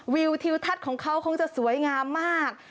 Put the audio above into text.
วิวทิวทัศน์ของเขาคงจะสวยงามมาก